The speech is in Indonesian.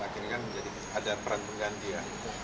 akhirnya kan jadi ada peran mengganti ya